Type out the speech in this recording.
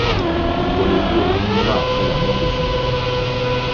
Il voit le jour huit mois après la mort de son père.